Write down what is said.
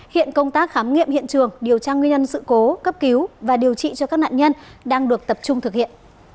hiện công tác khám nghiệm hiện trường điều tra nguyên nhân sự cố cấp cứu và điều trị cho các nạn nhân đang được tập trung thực hiện